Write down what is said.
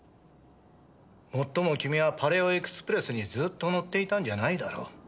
もっとも君はパレオエクスプレスにずっと乗っていたんじゃないだろう？